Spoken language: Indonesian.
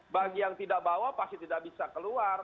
bagi yang tidak bawa pasti tidak bisa keluar